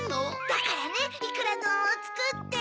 だからねいくらどんをつくって。